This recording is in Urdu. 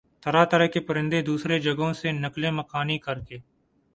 طرح طرح کے پرندے دوسری جگہوں سے نقل مکانی کرکے